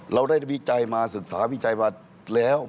เราได้วิจัยมาศึกษาวิจัยมาแล้ว